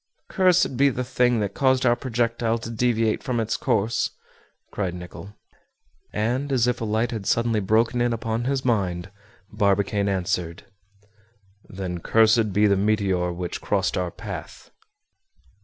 "Cursed be the thing that has caused our projectile to deviate from its course," cried Nicholl. And, as if a light had suddenly broken in upon his mind, Barbicane answered, "Then cursed be the meteor which crossed our path."